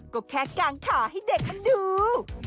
ก็แค่กางขาให้เด็กมันดู